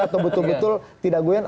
atau betul betul tidak goya